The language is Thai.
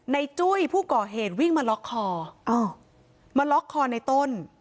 จุ้ยผู้ก่อเหตุวิ่งมาล็อกคออ้าวมาล็อกคอในต้น